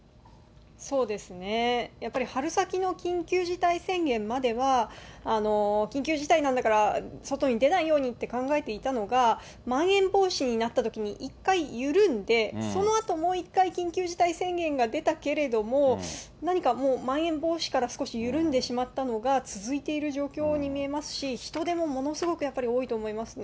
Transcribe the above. そうですね、やっぱり春先の緊急事態宣言までは、緊急事態なんだから外に出ないようにって考えていたのが、まん延防止になったときに、一回緩んで、そのあともう一回、緊急事態宣言が出たけれども、何かもう、まん延防止から少し緩んでしまったのが続いている状況に見えますし、人出もものすごくやっぱり多いと思いますね。